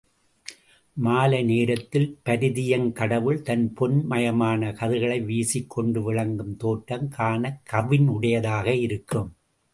மாலை நேரத்தில் பரிதியங் கடவுள் தன் பொன் மயமான கதிர்களை வீசிக் கொண்டு விளங்கும் தோற்றம் காணக்கவினுடையதாக இருக்கும்.